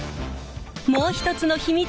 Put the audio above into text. もう一つの秘密